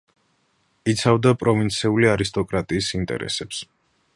იცავდა პროვინციული არისტოკრატიის ინტერესებს.